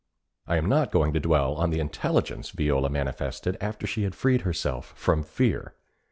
I am not going to dwell on the intelligence Viola manifested after she had freed herself from fear.